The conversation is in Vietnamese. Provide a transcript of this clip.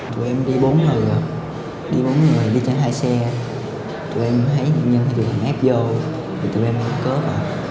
tụi em đi bốn người đi bốn người đi trên hai xe tụi em thấy những nhân vật được áp vô thì tụi em bắn cướp